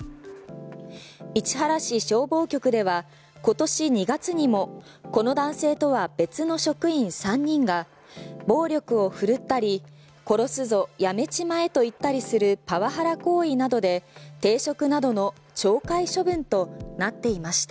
市原市消防局では今年２月にもこの男性とは別の職員３人が暴力を振るったり殺すぞ、辞めちまえと言ったりするパワハラ行為などで停職などの懲戒処分となっていました。